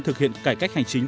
thực hiện cải cách hành chính